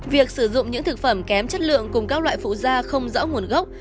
việc sử dụng những thực phẩm kém chất lượng cùng các loại phụ da không rõ nguồn gốc